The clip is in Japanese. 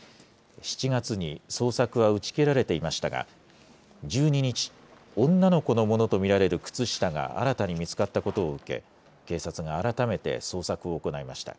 ７月に捜索は打ち切られていましたが、１２日、女の子のものと見られる靴下が新たに見つかったことを受け、警察が改めて捜索を行いました。